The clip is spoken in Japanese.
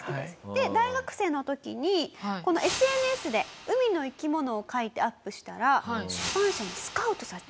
で大学生の時にＳＮＳで海の生き物を描いてアップしたら出版社にスカウトされた。